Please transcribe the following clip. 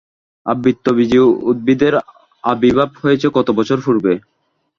আবৃতবীজী উদ্ভিদের আবির্ভাব হয়েছে কত বছর পূর্বে?